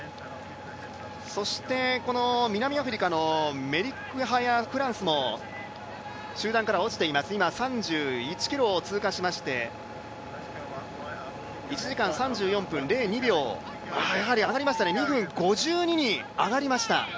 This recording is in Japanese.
そして南アフリカのメリクハヤ・フランスも集団から落ちて、今、３１ｋｍを通過いたしまして１時間３４分０２秒やはり上がりましたね